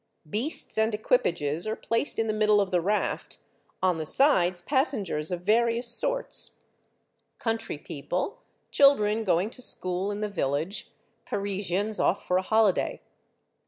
Beasts and equipages are placed in the middle of the raft; on the sides, passengers of various sorts, country people, children going to school in the village, Parisians ofl" for a holiday.